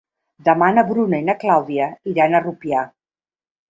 Demà na Bruna i na Clàudia iran a Rupià.